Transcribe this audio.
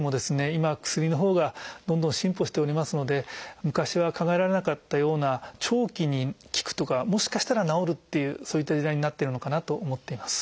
今は薬のほうがどんどん進歩しておりますので昔は考えられなかったような長期に効くとかもしかしたら治るっていうそういった時代になってるのかなと思っています。